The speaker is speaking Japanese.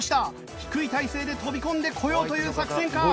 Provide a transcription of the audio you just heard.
低い体勢で飛び込んでこようという作戦か。